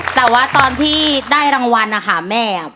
แต่ว่าตอนที่ได้รางวัลนะคะแม่